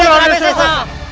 hidup surawi sesa